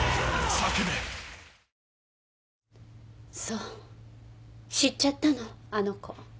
そう知っちゃったのあの子。